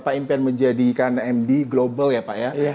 pak impian menjadikan md global ya pak ya